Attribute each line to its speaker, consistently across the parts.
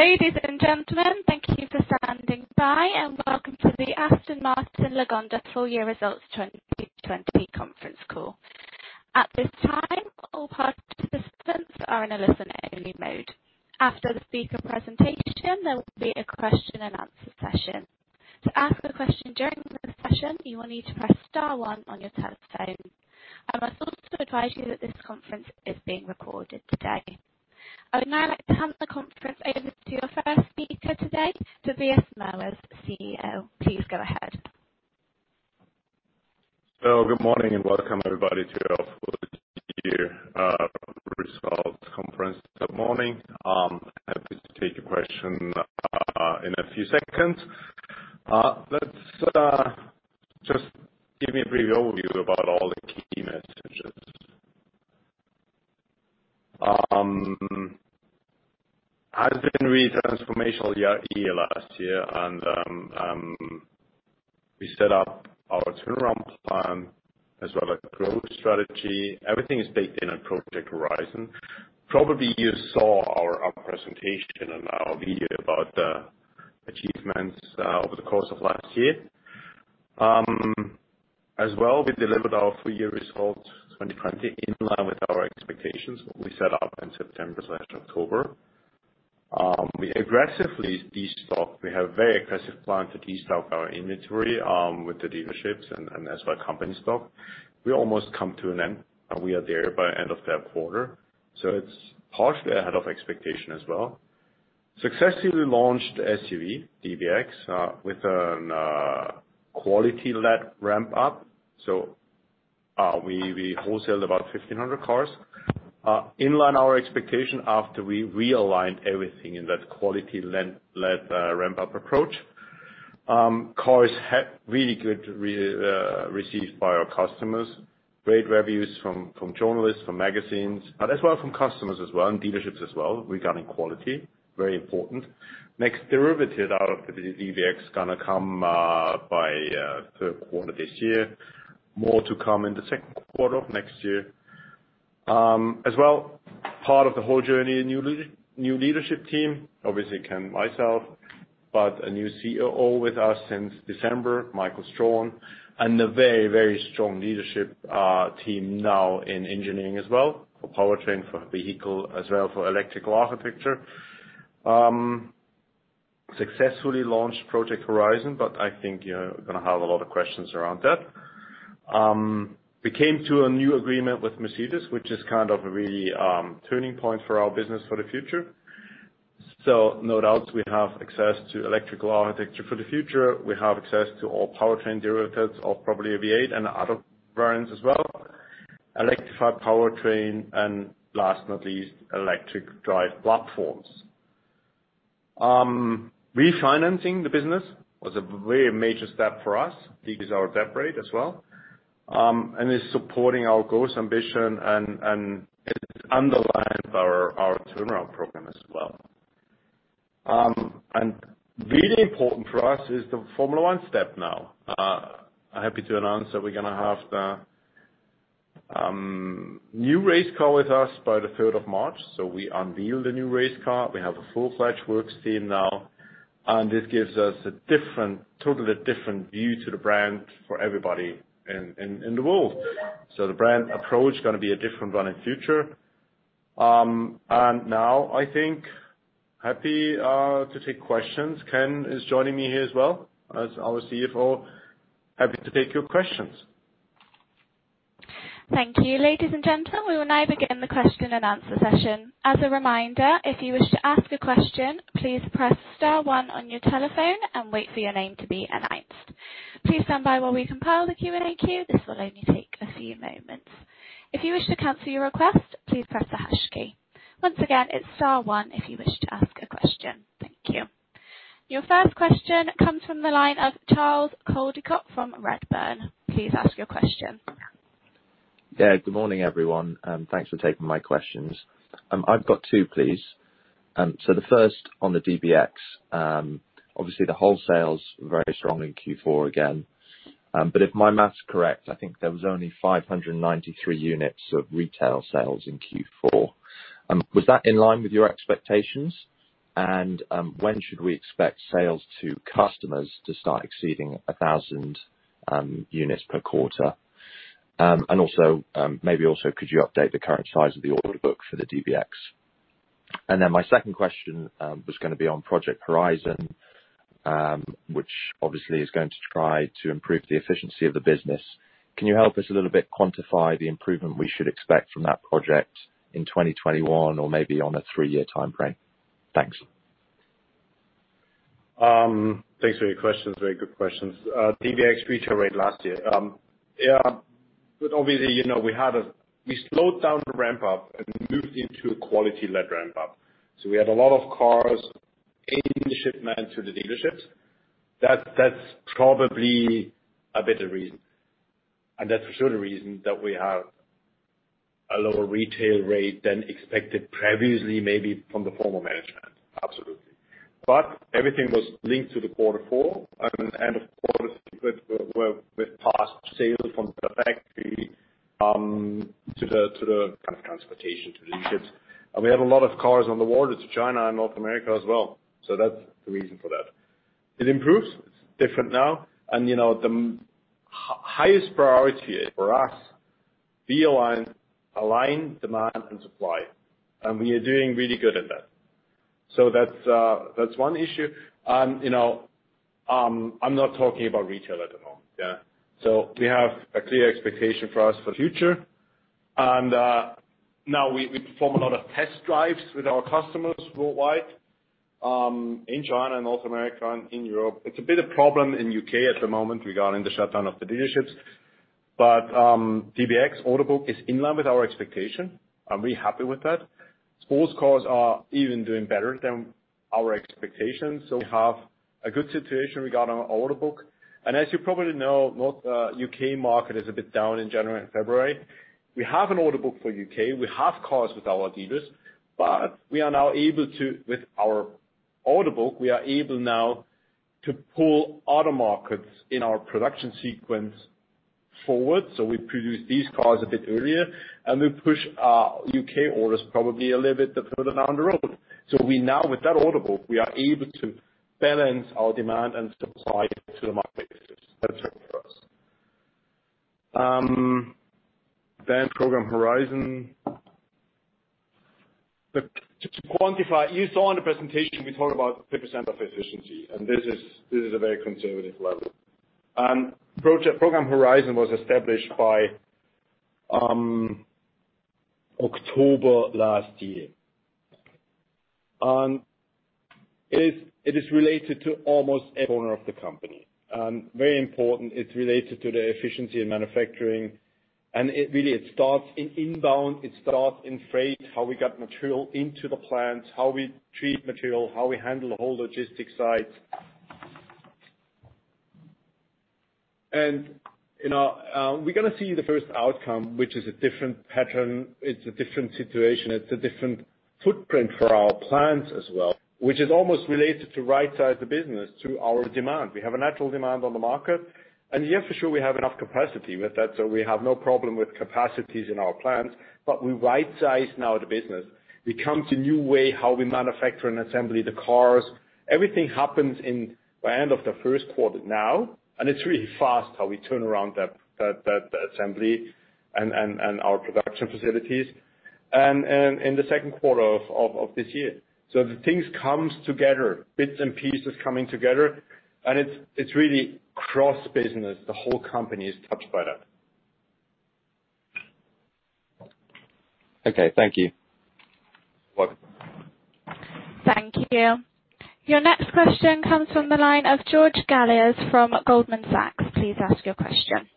Speaker 1: Ladies and gentlemen, thank you for standing by, and welcome to the Aston Martin Lagonda full-year results 2020 conference call. At this time, all participants are in a listen-only mode. After the speaker presentation, there will be a question-and-answer session. To ask a question during the session, you will need to press star one on your telephone. I must also advise you that this conference is being recorded today. I would now like to hand the conference over to your first speaker today, Tobias Moers, CEO. Please go ahead.
Speaker 2: Good morning and welcome, everybody, to our full-year results conference. Good morning. I'm happy to take your question in a few seconds. Let me just give you a brief overview about all the key messages. I've been with Transformation last year, and we set up our turnaround plan as well as growth strategy. Everything is baked in a Project Horizon. You probably saw our presentation and our video about the achievements over the course of last year. As well, we delivered our full-year results 2020 in line with our expectations, what we set up in September/October. We aggressively destocked. We have a very aggressive plan to destock our inventory with the dealerships and as well company stock. We almost come to an end. We are there by end of that quarter, so it's partially ahead of expectation as well. Successfully launched SUV, DBX, with a quality-led ramp-up. We wholesaled about 1,500 cars. In line with our expectation, after we realigned everything in that quality-led ramp-up approach, cars had really good receipts by our customers, great reviews from journalists, from magazines, but as well from customers as well and dealerships as well regarding quality. Very important. Next derivatives out of the DBX are going to come by third quarter this year. More to come in the second quarter of next year. As well, part of the whole journey is a new leadership team, obviously Ken and myself, but a new COO with us since December, Michael Strawn, and a very, very strong leadership team now in engineering as well for powertrain, for vehicle as well, for electrical architecture. Successfully launched Project Horizon, but I think you're going to have a lot of questions around that. We came to a new agreement with Mercedes, which is kind of a really turning point for our business for the future. No doubts we have access to electrical architecture for the future. We have access to all powertrain derivatives, all probably V8 and other variants as well. Electrified powertrain and last but not least, electric drive platforms. Refinancing the business was a very major step for us. This is our debt rate as well. It is supporting our growth ambition, and it underlines our turnaround program as well. Really important for us is the Formula One step now. I'm happy to announce that we're going to have the new race car with us by the 3rd of March. We unveiled the new race car. We have a full-fledged work scheme now, and this gives us a totally different view to the brand for everybody in the world. The brand approach is going to be a different one in the future. I think, happy to take questions. Ken is joining me here as well as our CFO. Happy to take your questions.
Speaker 1: Thank you. Ladies and gentlemen, we will now begin the question and answer session. As a reminder, if you wish to ask a question, please press star one on your telephone and wait for your name to be announced. Please stand by while we compile the Q&A queue. This will only take a few moments. If you wish to cancel your request, please press the hash key. Once again, it's star one if you wish to ask a question. Thank you. Your first question comes from the line of Charles Coldicutt from Redburn. Please ask your question.
Speaker 3: Yeah. Good morning, everyone. Thanks for taking my questions. I've got two, please. The first on the DBX, obviously the wholesale is very strong in Q4 again. If my maths are correct, I think there was only 593 units of retail sales in Q4. Was that in line with your expectations? When should we expect sales to customers to start exceeding 1,000 units per quarter? Maybe also, could you update the current size of the order book for the DBX? My second question was going to be on Project Horizon, which obviously is going to try to improve the efficiency of the business. Can you help us a little bit quantify the improvement we should expect from that project in 2021 or maybe on a three-year timeframe? Thanks.
Speaker 2: Thanks for your questions. Very good questions. DBX retail rate last year. Obviously, we slowed down the ramp-up and moved into a quality-led ramp-up. We had a lot of cars in shipment to the dealerships. That is probably a better reason. That is for sure the reason that we have a lower retail rate than expected previously, maybe from the former management. Absolutely. Everything was linked to the quarter four. Of course, we passed sales from the factory to the kind of transportation to the ships. We had a lot of cars on the water to China and North America as well. That is the reason for that. It improves. It is different now. The highest priority for us is to align demand and supply. We are doing really good at that. That is one issue. I am not talking about retail at the moment. We have a clear expectation for us for the future. Now we perform a lot of test drives with our customers worldwide, in China and North America and in Europe. It is a bit of a problem in the U.K. at the moment regarding the shutdown of the dealerships. The DBX order book is in line with our expectation. I am really happy with that. Sports cars are even doing better than our expectations. We have a good situation regarding our order book. As you probably know, the U.K. market is a bit down in January and February. We have an order book for the U.K. We have cars with our dealers. We are now able to, with our order book, pull other markets in our production sequence forward. We produce these cars a bit earlier. We push our U.K. orders probably a little bit further down the road. Now with that order book, we are able to balance our demand and supply to the market. That is right for us. Program Horizon, you saw in the presentation we talked about 50% of efficiency. This is a very conservative level. Program Horizon was established by October last year. It is related to almost every corner of the company. Very important, it is related to the efficiency in manufacturing. It really starts in inbound. It starts in freight, how we get material into the plants, how we treat material, how we handle the whole logistics side. We are going to see the first outcome, which is a different pattern. It is a different situation. It's a different footprint for our plants as well, which is almost related to right-size the business to our demand. We have a natural demand on the market. Yeah, for sure, we have enough capacity with that. We have no problem with capacities in our plants. We right-size now the business. We come to a new way how we manufacture and assemble the cars. Everything happens by the end of the first quarter now. It's really fast how we turn around that assembly and our production facilities in the second quarter of this year. The things come together, bits and pieces coming together. It's really cross-business. The whole company is touched by that.
Speaker 3: Okay. Thank you.
Speaker 2: You're welcome.
Speaker 1: Thank you. Your next question comes from the line of George Galliers from Goldman Sachs. Please ask your question.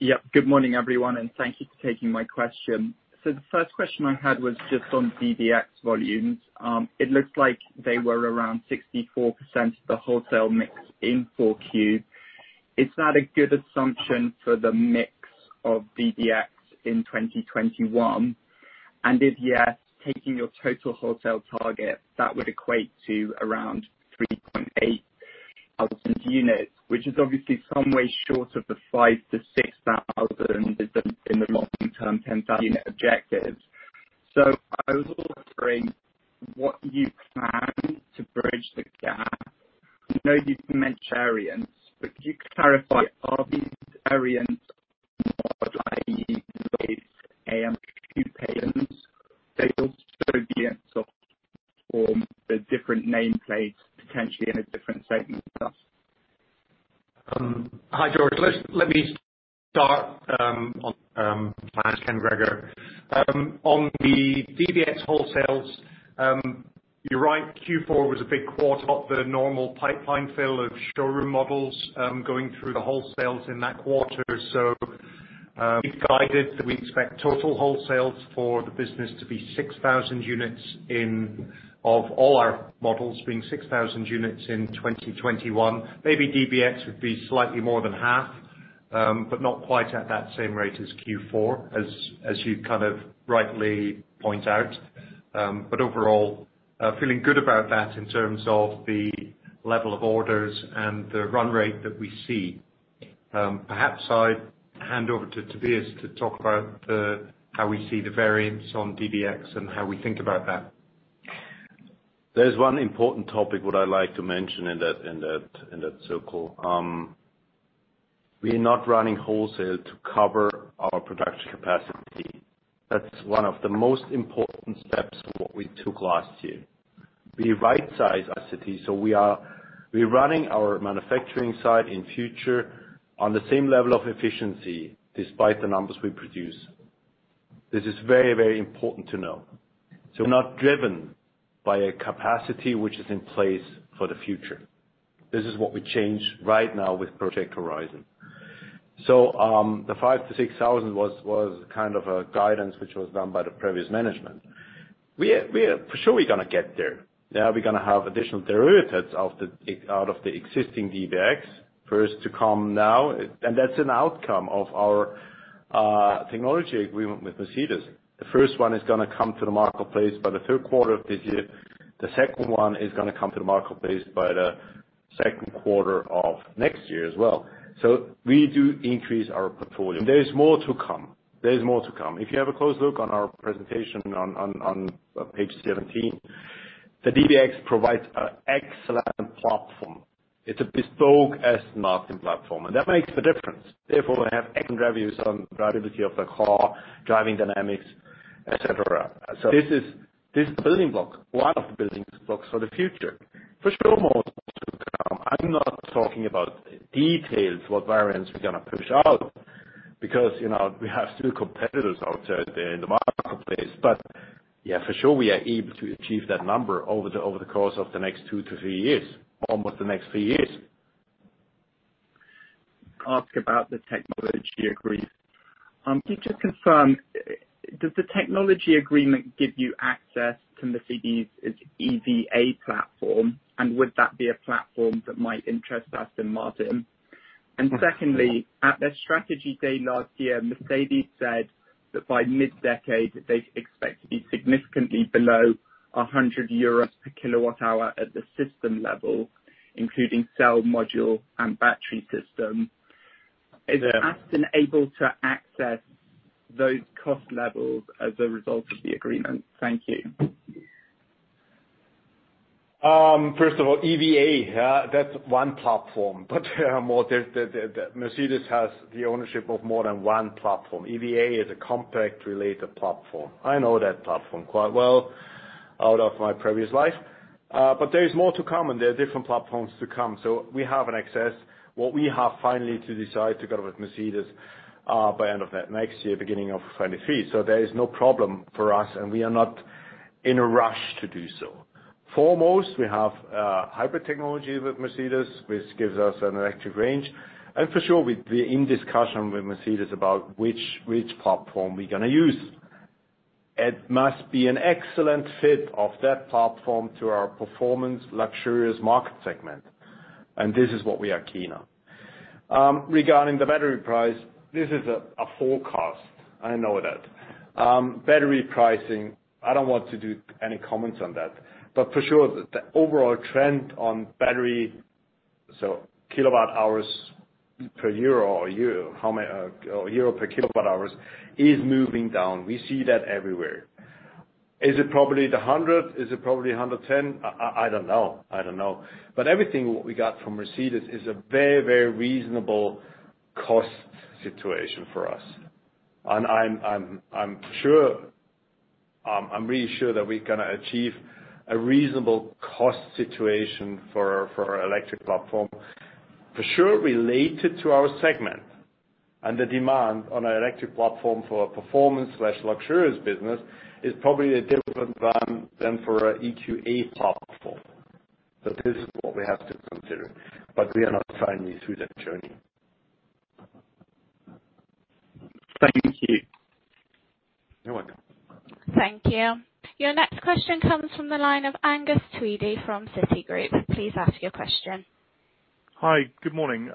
Speaker 4: Yep. Good morning, everyone. Thank you for taking my question. The first question I had was just on DBX volumes. It looks like they were around 64% of the wholesale mix in for Q. Is that a good assumption for the mix of DBX in 2021? If yes, taking your total wholesale target, that would equate to around 3,800 units, which is obviously some way short of the 5,000-6,000 in the long-term 10,000-unit objectives. I was also wondering what you plan to bridge the gap. I know you've mentioned variants, but could you clarify? Are these variants or AM Coupes, staples, DBX, or the different nameplates potentially in a different segment?
Speaker 5: Hi, George. Let me start on my plan, Ken Gregor. On the DBX wholesales, you're right. Q4 was a big quarter. The normal pipeline fill of showroom models going through the wholesales in that quarter. We have guided that we expect total wholesales for the business to be 6,000 units of all our models being 6,000 units in 2021. Maybe DBX would be slightly more than half, but not quite at that same rate as Q4, as you kind of rightly point out. Overall, feeling good about that in terms of the level of orders and the run rate that we see. Perhaps I hand over to Tobias to talk about how we see the variance on DBX and how we think about that.
Speaker 2: There's one important topic what I'd like to mention in that circle. We are not running wholesale to cover our production capacity. That's one of the most important steps of what we took last year. We right-size our city. So we are running our manufacturing site in future on the same level of efficiency despite the numbers we produce. This is very, very important to know. We're not driven by a capacity which is in place for the future. This is what we change right now with Project Horizon. The 5,000 to 6,000 was kind of a guidance which was done by the previous management. We are for sure going to get there. Now we're going to have additional derivatives out of the existing DBX first to come now. That's an outcome of our technology agreement with Mercedes. The first one is going to come to the marketplace by the third quarter of this year. The second one is going to come to the marketplace by the second quarter of next year as well. We do increase our portfolio. There's more to come. There's more to come. If you have a close look on our presentation on page 17, the DBX provides an excellent platform. It's a bespoke Aston Martin platform. That makes the difference. Therefore, we have excellent revenues on the drivability of the car, driving dynamics, etc. This is a building block, one of the building blocks for the future. For sure, more to come. I'm not talking about details, what variants we're going to push out, because we have still competitors out there in the marketplace. Yeah, for sure, we are able to achieve that number over the course of the next two to three years, almost the next three years.
Speaker 4: Ask about the technology agreement. Can you just confirm, does the technology agreement give you access to Mercedes' EVA platform? Would that be a platform that might interest Aston Martin? Secondly, at their strategy day last year, Mercedes said that by mid-decade, they expect to be significantly below 100 euros per kilowatt-hour at the system level, including cell module and battery system. Is Aston able to access those cost levels as a result of the agreement? Thank you.
Speaker 2: First of all, EVA, that's one platform. Mercedes has the ownership of more than one platform. EVA is a compact-related platform. I know that platform quite well out of my previous life. There is more to come. There are different platforms to come. We have an access. What we have finally to decide together with Mercedes by the end of next year, beginning of 2023. There is no problem for us. We are not in a rush to do so. Foremost, we have hybrid technology with Mercedes, which gives us an electric range. For sure, we're in discussion with Mercedes about which platform we're going to use. It must be an excellent fit of that platform to our performance, luxurious market segment. This is what we are keen on. Regarding the battery price, this is a forecast. I know that. Battery pricing, I do not want to do any comments on that. For sure, the overall trend on battery, so kilowatt-hours per EUR or EUR per kilowatt-hour, is moving down. We see that everywhere. Is it probably the 100? Is it probably 110? I do not know. I do not know. Everything we got from Mercedes is a very, very reasonable cost situation for us. I am really sure that we are going to achieve a reasonable cost situation for our electric platform. For sure, related to our segment and the demand on our electric platform for a performance/luxurious business is probably different than for an EQA platform. This is what we have to consider. We are not finally through that journey.
Speaker 4: Thank you.
Speaker 2: You're welcome.
Speaker 1: Thank you. Your next question comes from the line of Angus Tweedie from Citigroup. Please ask your question.
Speaker 6: Hi. Good morning.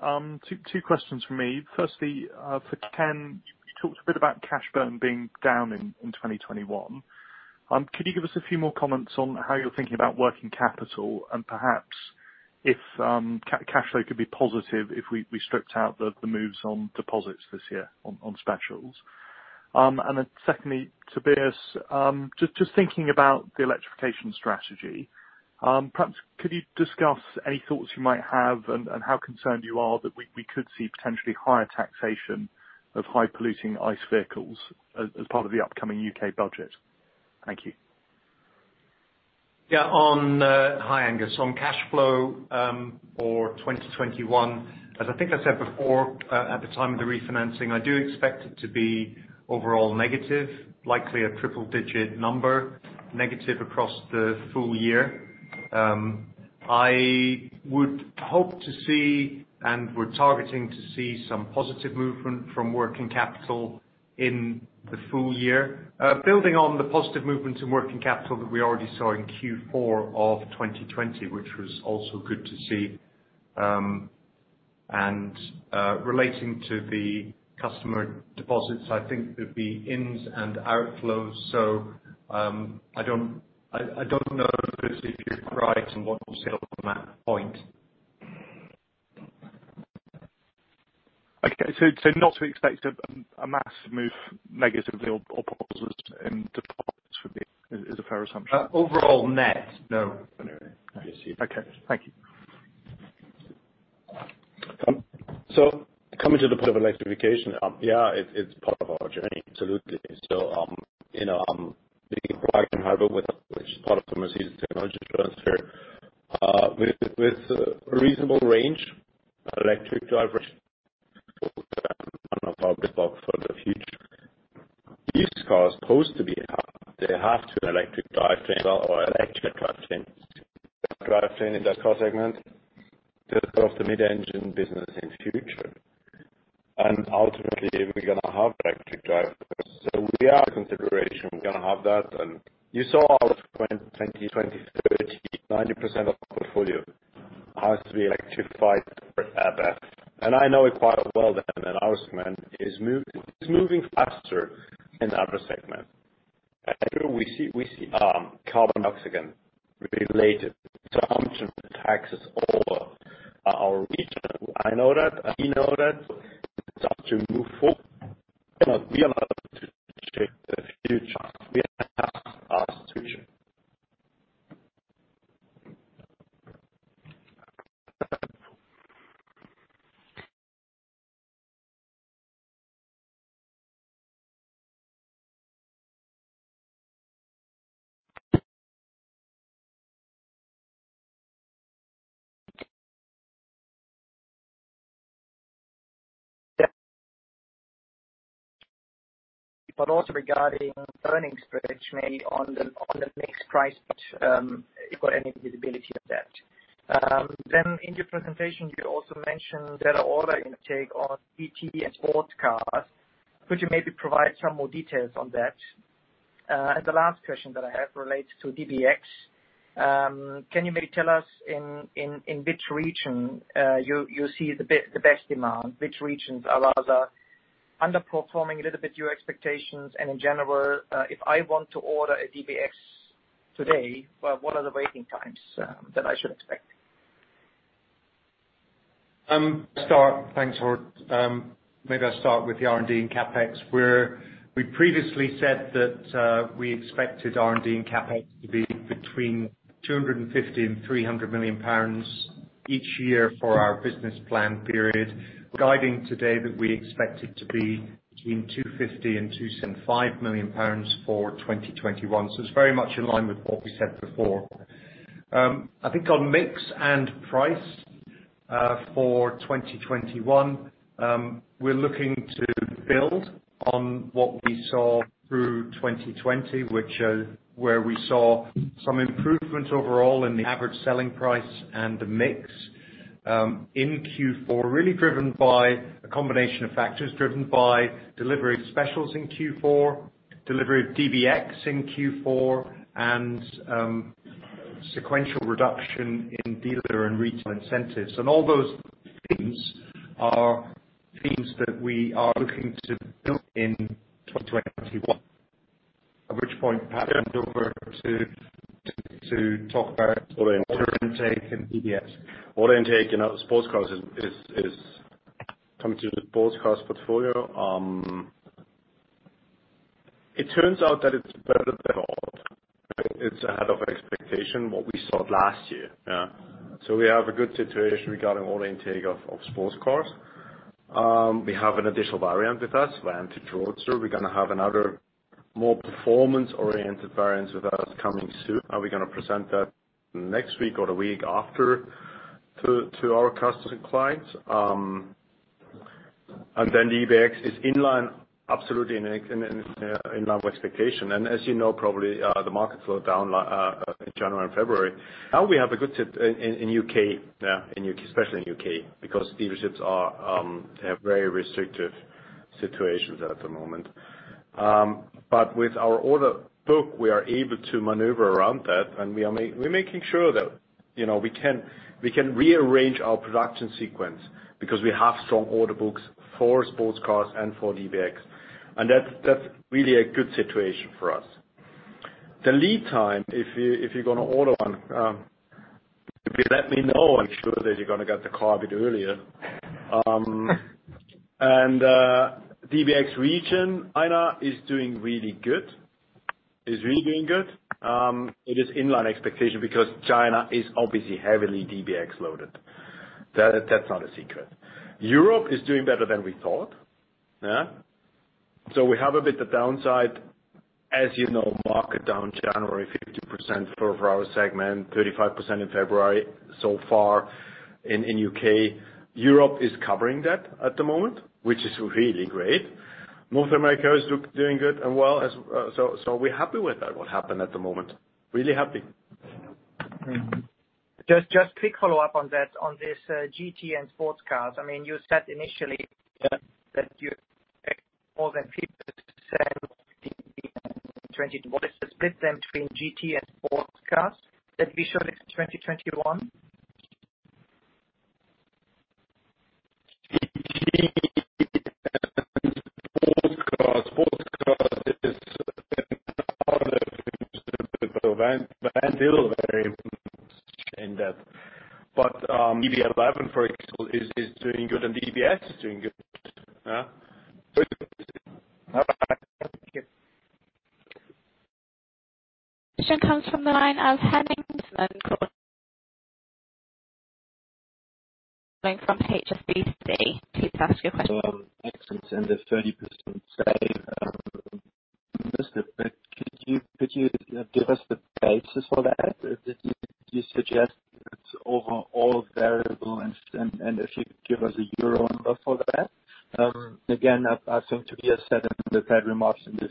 Speaker 6: Two questions for me. Firstly, for Ken, you talked a bit about cash burn being down in 2021. Could you give us a few more comments on how you're thinking about working capital and perhaps if cash flow could be positive if we stripped out the moves on deposits this year on specials? Secondly, Tobias, just thinking about the electrification strategy, perhaps could you discuss any thoughts you might have and how concerned you are that we could see potentially higher taxation of high-polluting ICE vehicles as part of the upcoming U.K. budget? Thank you.
Speaker 5: Yeah. Hi, Angus. On cash flow for 2021, as I think I said before at the time of the refinancing, I do expect it to be overall negative, likely a triple-digit number, negative across the full year. I would hope to see and we're targeting to see some positive movement from working capital in the full year, building on the positive movement in working capital that we already saw in Q4 of 2020, which was also good to see. Relating to the customer deposits, I think there would be ins and outflows. I do not know if you're right on what you said on that point.
Speaker 6: Okay. So not to expect a mass move negatively or positively in deposits would be is a fair assumption?
Speaker 5: Overall, net. No.
Speaker 6: Okay. Thank you.
Speaker 2: Coming to the point of electrification, yeah, it's part of our journey. Absolutely. Being a partner with, which is part of the Mercedes Technology Transfer, with a reasonable range, electric drivetrain for one of our big box for the future. These cars are supposed to be, they have to have an electric drivetrain or electric drivetrain. Drivetrain in that car segment, the mid-engine business in future. Ultimately, we're going to have electric drivetrains. We are a consideration. We're going to have that. You saw our 2020, 2030, 90% of our portfolio has to be electrified. I know it quite well that our segment is moving faster in our segment. We see carbon dioxide related to arms and taxes all our region. I know that. We know that. It's up to move forward. We are not able to change the future. We have to ask the future. Yeah. Also regarding earnings spreads, maybe on the mix price, if you've got any visibility on that. In your presentation, you also mentioned there are order intake on ET and sports cars. Could you maybe provide some more details on that? The last question that I have relates to DBX. Can you maybe tell us in which region you see the best demand? Which regions are rather underperforming a little bit your expectations? In general, if I want to order a DBX today, what are the waiting times that I should expect?
Speaker 5: I'll start. Thanks, Moers. Maybe I'll start with the R&D and CapEx. We previously said that we expected R&D and CapEx to be between 250 million and 300 million pounds each year for our business plan period. Guiding today that we expected to be between 250 million pounds and GBP 205 million for 2021. It is very much in line with what we said before. I think on mix and price for 2021, we're looking to build on what we saw through 2020, where we saw some improvement overall in the average selling price and the mix in Q4, really driven by a combination of factors driven by delivery of specials in Q4, delivery of DBX in Q4, and sequential reduction in dealer and retail incentives. All those themes are themes that we are looking to build in 2021, at which point, Pat, hand over to talk about order intake and EBS.
Speaker 2: Order intake in sports cars is coming to the sports cars portfolio. It turns out that it's better than all. It's ahead of expectation, what we saw last year. We have a good situation regarding order intake of sports cars. We have an additional variant with us, Vantage Roadster. We're going to have another more performance-oriented variant with us coming soon. Are we going to present that next week or the week after to our customers and clients? DBX is in line, absolutely in line with expectation. As you know, probably the market slowed down in January and February. Now we have a good tip in the U.K., especially in the U.K., because dealerships have very restrictive situations at the moment. With our order book, we are able to maneuver around that. We are making sure that we can rearrange our production sequence because we have strong order books for sports cars and for DBX. That is really a good situation for us. The lead time, if you are going to order one, let me know. Make sure that you are going to get the car a bit earlier. In the DBX region, INA is doing really good. It is really doing good. It is in line with expectation because China is obviously heavily DBX loaded. That is not a secret. Europe is doing better than we thought. We have a bit of downside. As you know, market down January 50% for our segment, 35% in February so far in the U.K. Europe is covering that at the moment, which is really great. North America is doing good and well. We are happy with what happened at the moment. Really happy.
Speaker 6: Just quick follow-up on this GT and sports cars. I mean, you said initially that you expect more than 50% of the 2020. What is the split then between GT and sports cars that we showed in 2021?
Speaker 2: GT and sports cars. Sports cars is now the Vantage variant in that. DB11, for example, is doing good. DBX is doing good.
Speaker 1: Question comes from the line of Henning. Coming from HSBC. Please ask your question.
Speaker 4: Its concern is 20% save. Mr. Moers, could you give us the basis for that? Do you suggest it's overall variable? If you could give us a EUR number for that. I think Tobias said in the prepared remarks in the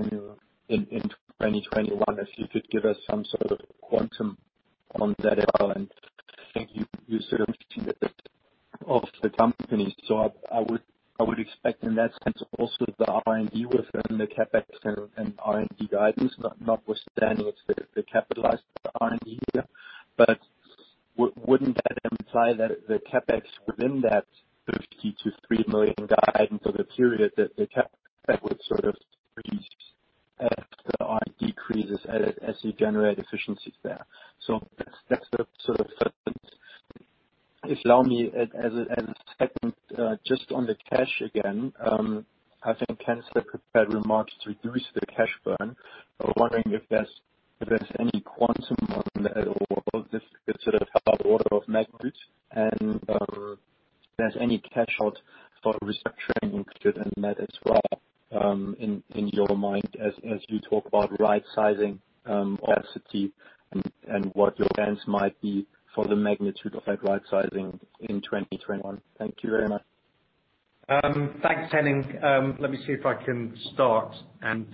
Speaker 4: video in 2021, if you could give us some sort of quantum on that. I think you sort of see that of the company. I would expect in that sense also the R&D within the CapEx and R&D guidance, notwithstanding it's the capitalized R&D here. Wouldn't that imply that the CapEx within that 50-3 million guidance of the period, that the CapEx would sort of freeze as the R&D decreases as you generate efficiencies there? That's the sort of. If you allow me, as a second, just on the cash again, I think Ken said prepared remarks to reduce the cash burn. I'm wondering if there's any quantum on that or this sort of order of magnitude and if there's any cash out for restructuring included in that as well in your mind as you talk about right-sizing capacity and what your bans might be for the magnitude of that right-sizing in 2021. Thank you very much.
Speaker 5: Thanks, Henning. Let me see if I can start and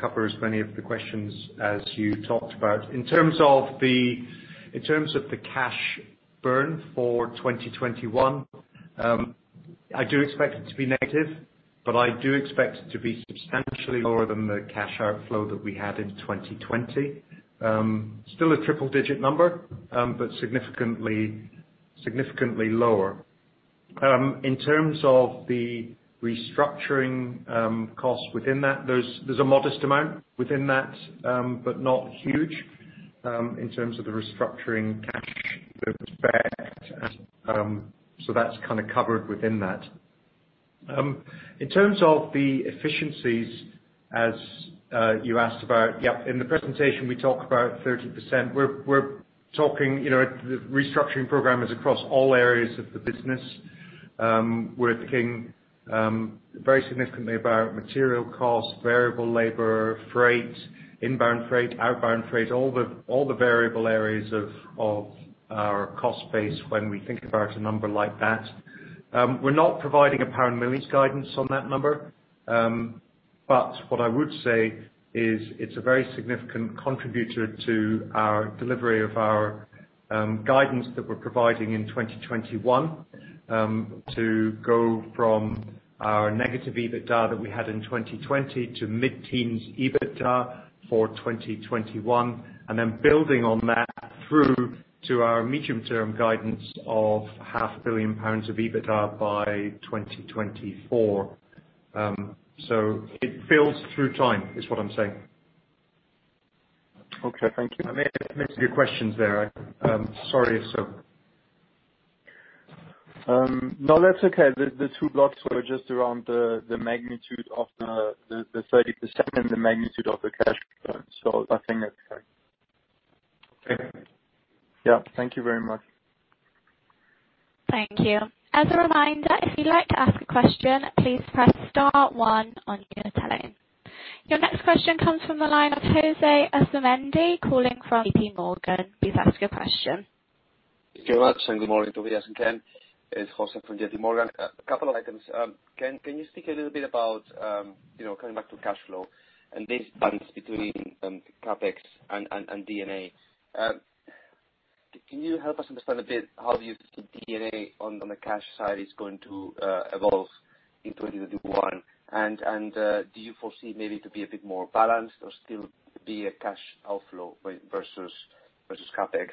Speaker 5: cover as many of the questions as you talked about. In terms of the cash burn for 2021, I do expect it to be negative, but I do expect it to be substantially lower than the cash outflow that we had in 2020. Still a triple-digit number, but significantly lower. In terms of the restructuring costs within that, there's a modest amount within that, but not huge in terms of the restructuring cash effect. That's kind of covered within that. In terms of the efficiencies, as you asked about, yep, in the presentation, we talk about 30%. We're talking the restructuring programs across all areas of the business. We're thinking very significantly about material costs, variable labor, freight, inbound freight, outbound freight, all the variable areas of our cost base when we think about a number like that. We're not providing a GBP millage guidance on that number. What I would say is it's a very significant contributor to our delivery of our guidance that we're providing in 2021 to go from our negative EBITDA that we had in 2020 to mid-teens EBITDA for 2021, and then building on that through to our medium-term guidance of 500 million pounds of EBITDA by 2024. It builds through time is what I'm saying.
Speaker 7: Okay. Thank you.
Speaker 2: I may have missed a few questions there. Sorry if so.
Speaker 7: No, that's okay. The two blocks were just around the magnitude of the 30% and the magnitude of the cash burn. I think that's correct.
Speaker 2: Okay.
Speaker 7: Yeah. Thank you very much.
Speaker 1: Thank you. As a reminder, if you'd like to ask a question, please press star one on your telephone. Your next question comes from the line of Jose Asumendi, calling from JPMorgan. Please ask your question.
Speaker 8: Thank you, Alex. Good morning, Tobias and Ken. It's Jose from JPMorgan. A couple of items. Ken, can you speak a little bit about coming back to cash flow and this balance between CapEx and D&A? Can you help us understand a bit how you see D&A on the cash side is going to evolve in 2021? Do you foresee maybe it to be a bit more balanced or still be a cash outflow versus CapEx?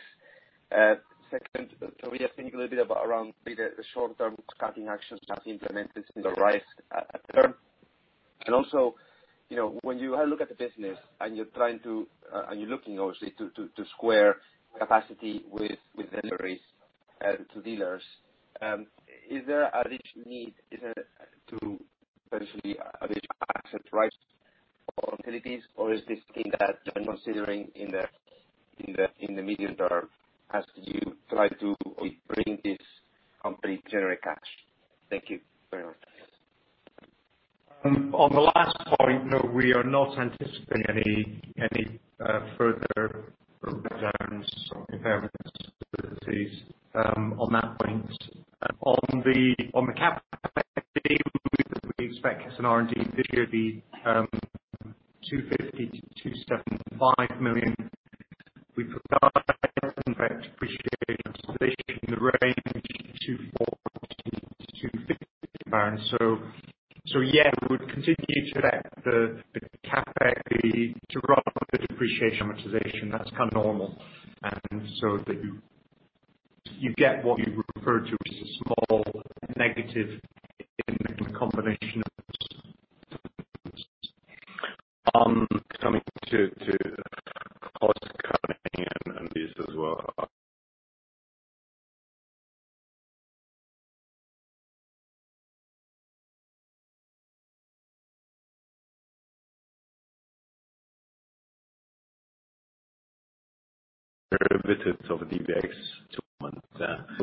Speaker 8: Second, Tobias, think a little bit around maybe the short-term cutting actions that are implemented in the right term. When you look at the business and you're trying to and you're looking, obviously, to square capacity with deliveries to dealers, is there a need to potentially access rights or utilities, or is this thing that you're considering in the medium term as you try to bring this company to generate cash? Thank you very much.
Speaker 5: On the last point, we are not anticipating any further rebounds or impairments on that point. On the CapEx team, we expect an R&D figure be 250 million-275 million. We've got guidance that depreciation in the range 240 million-250 million. Yeah, we would continue to let the CapEx be to run the depreciation amortization. That's kind of normal. That you get what you refer to as a small negative in the combination of coming to costs currently and these as well.
Speaker 2: There are bit of DBX to comment.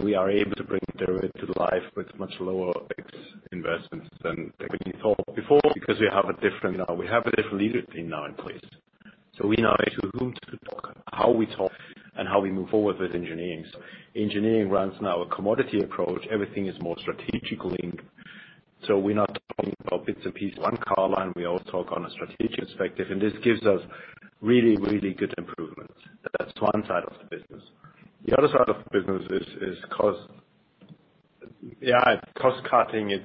Speaker 2: We are able to bring it to life with much lower X investments than we thought before because we have a different legal team now in place. We know to whom to talk, how we talk, and how we move forward with engineering. Engineering runs now a commodity approach. Everything is more strategic linked. We are not talking about bits and pieces. One car line, we all talk on a strategic perspective. This gives us really, really good improvements. That is one side of the business. The other side of the business is cost. Yeah, cost-cutting is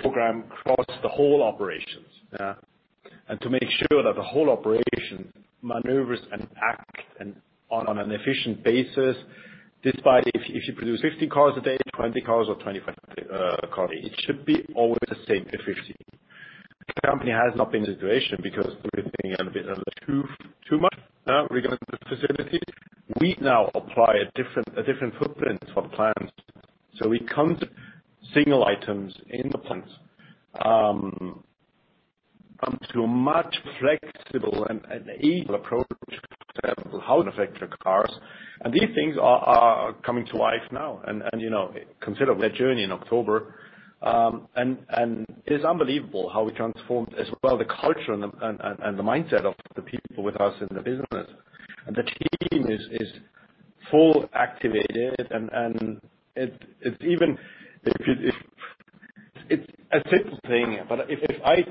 Speaker 2: programmed across the whole operations. To make sure that the whole operation maneuvers and acts on an efficient basis, despite if you produce 50 cars a day, 20 cars, or 25 cars, it should be always the same efficiency. The company has not been in a situation because we're thinking a bit too much regarding the facility. We now apply a different footprint for the plants. We come to single items in the plants. We come to a much flexible and able approach to how to manufacture cars. These things are coming to life now. I consider that journey in October. It is unbelievable how we transformed as well the culture and the mindset of the people with us in the business. The team is fully activated. It is even a simple thing.
Speaker 5: If I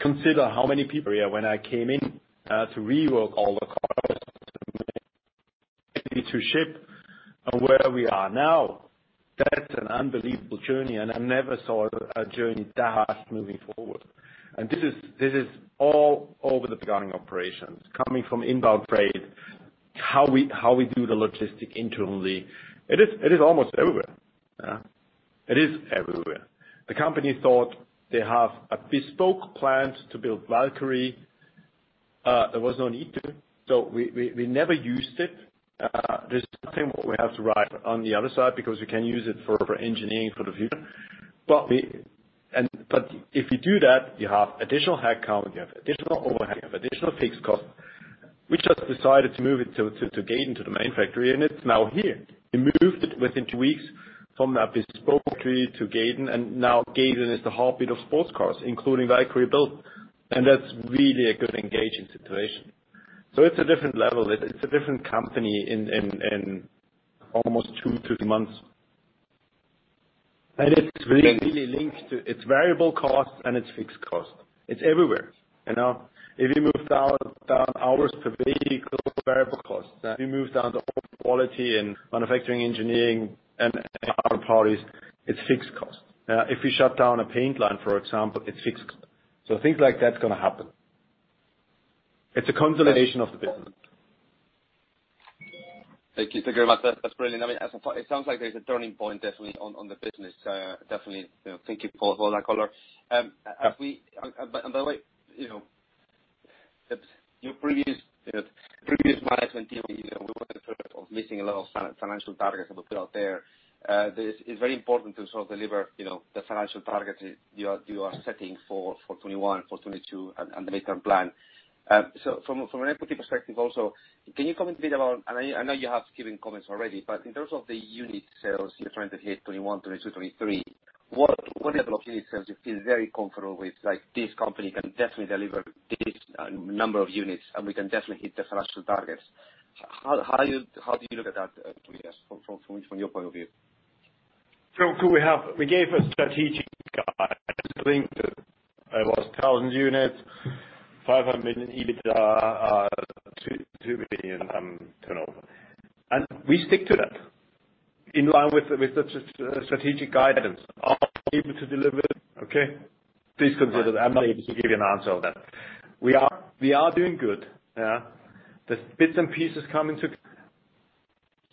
Speaker 5: consider how many people here when I came in to rework all the cars to ship and where we are now, that's an unbelievable journey. I never saw a journey that fast moving forward. This is all over the beginning operations, coming from inbound freight, how we do the logistic internally. It is almost everywhere. It is everywhere. The company thought they have a bespoke plant to build Valkyrie. There was no need to. We never used it. There is nothing we have to write on the other side because we can use it for engineering for the future. If you do that, you have additional headcount. You have additional overhead. You have additional fixed costs. We just decided to move it to Gaydon to the main factory. It is now here. We moved it within two weeks from that bespoke plant to Gaydon. Gaydon is the heartbeat of sports cars, including Valkyrie Build. That's really a good engaging situation. It's a different level. It's a different company in almost two to three months. It's really linked to its variable cost and its fixed cost. It's everywhere. If you move down hours per vehicle, variable costs. If you move down to quality and manufacturing engineering and other parties, it's fixed cost. If you shut down a paint line, for example, it's fixed cost. Things like that are going to happen. It's a consolidation of the business. Thank you. Thank you very much. That's brilliant. I mean, it sounds like there's a turning point definitely on the business. Definitely thank you for that, Color. By the way, your previous management team, we were concerned of missing a lot of financial targets that were put out there.
Speaker 8: It's very important to sort of deliver the financial targets you are setting for 2021, for 2022, and the midterm plan. From an equity perspective also, can you comment a bit about, and I know you have given comments already, but in terms of the unit sales you're trying to hit 2021, 2022, 2023, what are the unit sales you feel very comfortable with? Like, this company can definitely deliver this number of units, and we can definitely hit the financial targets. How do you look at that, Tobias, from your point of view?
Speaker 2: We gave a strategic guide. I think it was 1,000 units, 500 million EBITDA, 2 billion, I do not know. We stick to that in line with the strategic guidance. Are we able to deliver? Okay. Please consider that. I am not able to give you an answer on that. We are doing good. The bits and pieces come into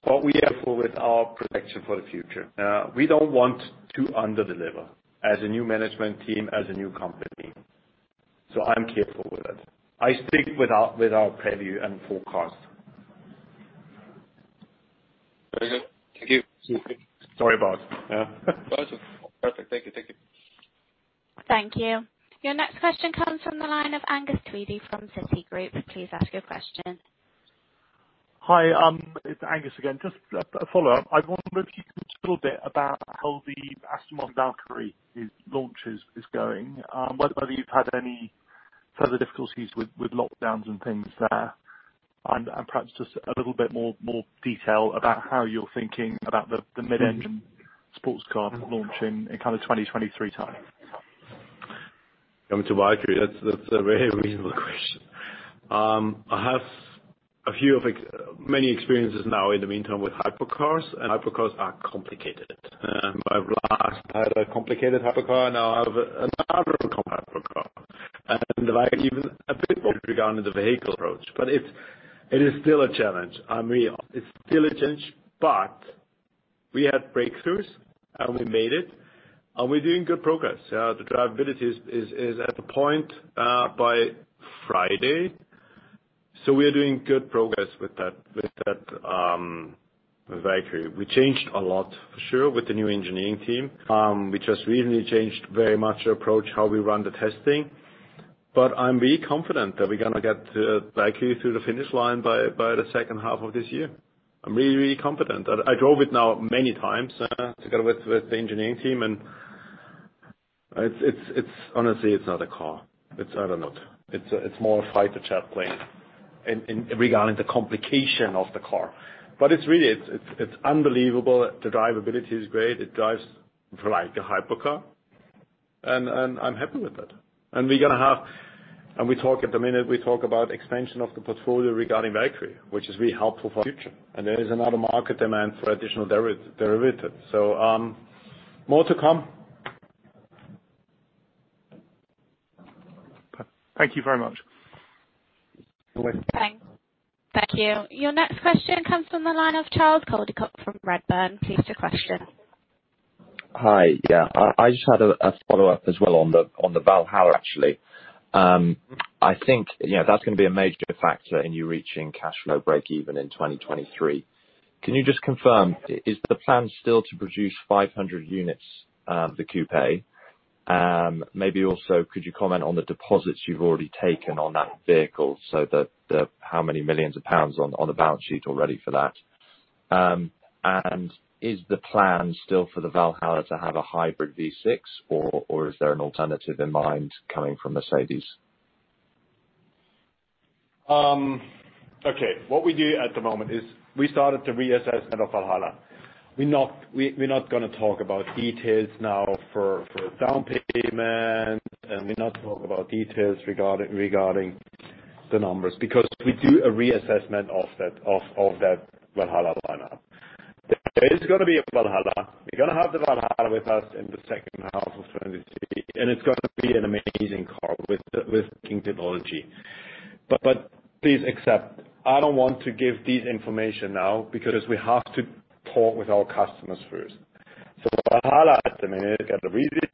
Speaker 2: what we are for with our projection for the future. We do not want to under-deliver as a new management team, as a new company. I am careful with that. I stick with our preview and forecast.
Speaker 8: Very good. Thank you.
Speaker 2: Sorry about.
Speaker 8: Perfect. Thank you. Thank you.
Speaker 1: Thank you. Your next question comes from the line of Angus Tweedie from Citigroup. Please ask your question.
Speaker 6: Hi. It's Angus again. Just a follow-up. I wonder if you could talk a little bit about how the Aston Martin Valkyrie launch is going, whether you've had any further difficulties with lockdowns and things there, and perhaps just a little bit more detail about how you're thinking about the mid-engine sports car launching in kind of 2023 time.
Speaker 2: Coming to Valkyrie, that's a very reasonable question. I have a few of many experiences now in the meantime with hypercars, and hypercars are complicated. I've had a complicated hypercar. Now I have another complicated hypercar. I even a bit more regarding the vehicle approach. It is still a challenge. I mean, it's still a challenge, but we had breakthroughs, and we made it. We're doing good progress. The drivability is at the point by Friday. We are doing good progress with that Valkyrie. We changed a lot, for sure, with the new engineering team. We just recently changed very much our approach, how we run the testing. I'm really confident that we're going to get Valkyrie through the finish line by the second half of this year. I'm really, really confident. I drove it now many times together with the engineering team. Honestly, it's not a car. I don't know. It's more a fighter jet plane regarding the complication of the car. It is really unbelievable. The drivability is great. It drives like a hypercar. I'm happy with that. We are going to have, and we talk at the minute, we talk about expansion of the portfolio regarding Valkyrie, which is really helpful for the future. There is another market demand for additional derivatives. More to come.
Speaker 6: Thank you very much.
Speaker 1: Thanks. Thank you. Your next question comes from the line of Charles Coldicutt from Redburn. Please ask your question.
Speaker 3: Hi. Yeah. I just had a follow-up as well on the Valhalla, actually. I think that's going to be a major factor in you reaching cash flow break-even in 2023. Can you just confirm, is the plan still to produce 500 units, the coupé? Maybe also, could you comment on the deposits you've already taken on that vehicle? How many millions of pounds on the balance sheet already for that? Is the plan still for the Valhalla to have a hybrid V6, or is there an alternative in mind coming from Mercedes?
Speaker 2: Okay. What we do at the moment is we started to reassess the Valhalla. We're not going to talk about details now for down payment, and we're not talking about details regarding the numbers because we do a reassessment of that Valhalla lineup. There is going to be a Valhalla. We're going to have the Valhalla with us in the second half of 2023. It is going to be an amazing car with kink technology. Please accept, I don't want to give this information now because we have to talk with our customers first. Valhalla at the minute got a revision.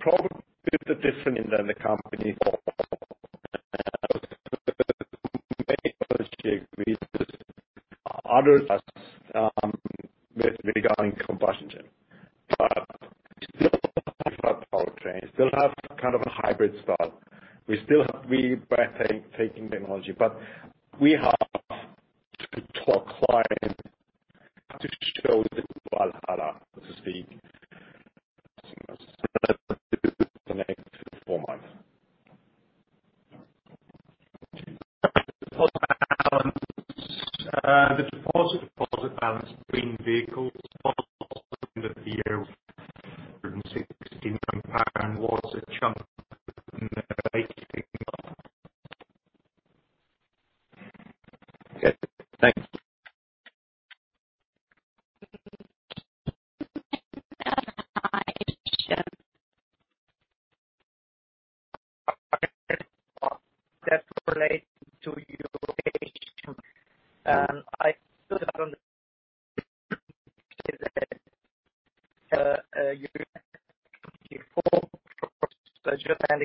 Speaker 2: Probably it's a different than the company. Other. Us regarding combustion engine. We still have powertrains. We still have kind of a hybrid style. We're taking technology. We have to talk client to show the Valhalla, so to speak, customers in the next four months. The deposit balance between vehicles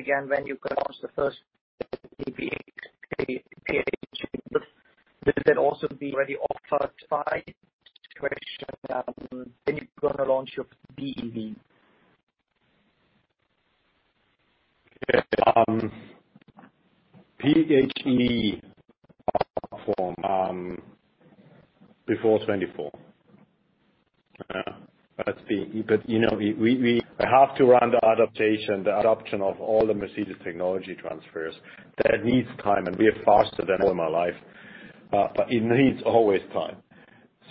Speaker 2: in the year of 2016 was a chunk of GBP 80 million.
Speaker 3: Okay. Thanks. Again, when you can launch the first PHEV, will that also be already offered by Aston Martin, and then you're going to launch your BEV?
Speaker 2: Okay. PHE platform before 2024. But you know we have to run the adaptation of all the Mercedes technology transfers. That needs time. We are faster than all my life. It needs always time.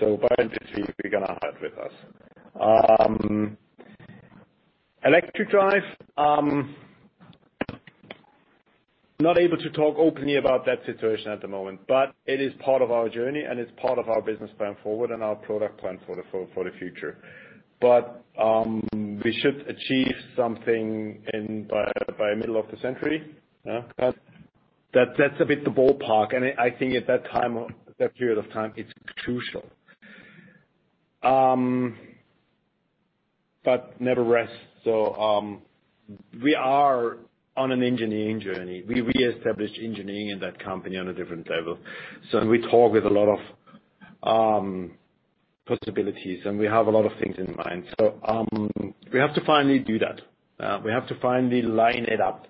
Speaker 2: Apparently, we're going to have it with us. Electric drive, not able to talk openly about that situation at the moment. It is part of our journey, and it's part of our business plan forward and our product plan for the future. We should achieve something by the middle of the century. That's a bit the ballpark. I think at that period of time, it's crucial. Nevertheless, we are on an engineering journey. We reestablished engineering in that company on a different level. We talk with a lot of possibilities, and we have a lot of things in mind. We have to finally do that. We have to finally line it up.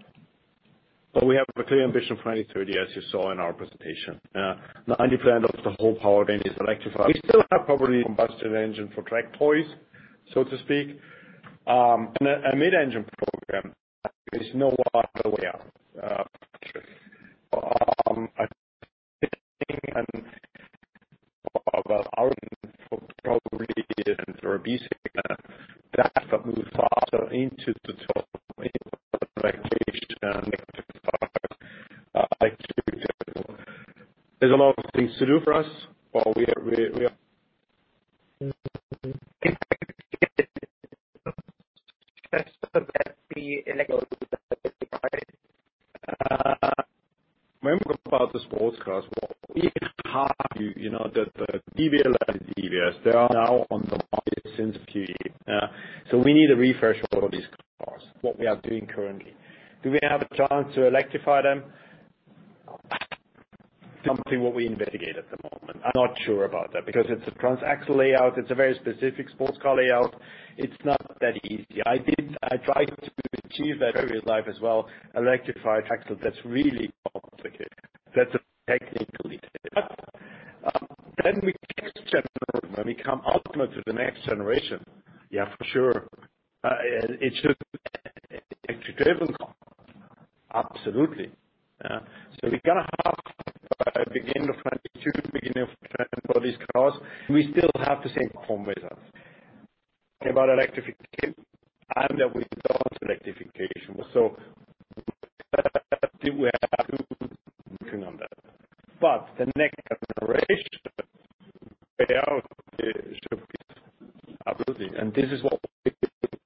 Speaker 2: We have a clear ambition for 2030, as you saw in our presentation. 90% of the whole powertrain is electrified. We still have probably combustion engine for track toys, so to speak. A mid-engine program is nowhere near there. There are B-segment that move faster into the top electric. There is a lot of things to do for us. When we talk about the sports cars, we have the DB11 and DBS. They are now on the market since 2023. We need a refresh of all these cars, what we are doing currently. Do we have a chance to electrify them? Something what we investigate at the moment. I'm not sure about that because it's a transaxle layout. It's a very specific sports car layout. It's not that easy. I tried to achieve that in real life as well, electrified axle. That's really complicated. That's technically difficult. We get to the next generation. For sure, it should be an electric-driven car. Absolutely. We're going to have the beginning of 2022, beginning of 2023 for these cars. We still have to think form with us. Think about electrification and that we don't electrification. We have to. Working on that. The next generation layout should be. Absolutely. And this is what we're doing.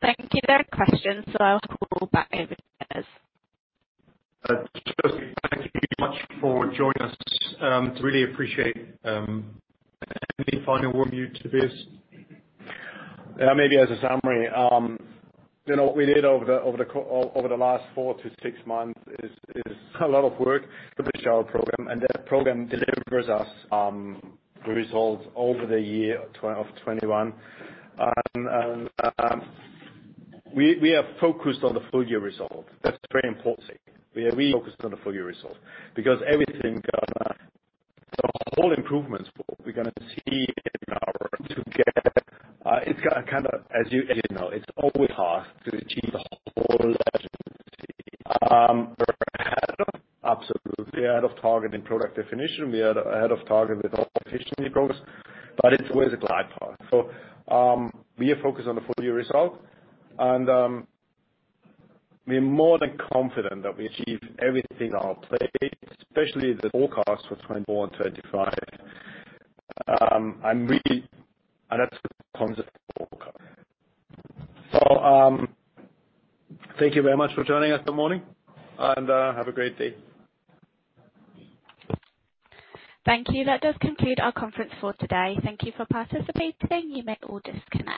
Speaker 1: Thank you. There are questions, so I'll call back over to Tobias.
Speaker 2: Josephine, thank you very much for joining us. Really appreciate any final for you to be asked. Maybe as a summary, you know what we did over the last four to six months is a lot of work. Publish our program. And that program delivers us the results over the year of 2021. We are focused on the full-year result. That's very important. We are really focused on the full-year result because everything is going to the whole improvements we're going to see in our. To get it's kind of, as you know, it's always hard to achieve the whole agency. We're absolutely ahead of target in product definition. We are ahead of target with all efficiency goals. It's always a glide path. We are focused on the full-year result. We're more than confident that we achieve everything on our plate, especially the forecast for 2024 and 2025. That's a positive forecast. Thank you very much for joining us this morning. Have a great day.
Speaker 1: Thank you. That does complete our conference for today. Thank you for participating. You may all disconnect.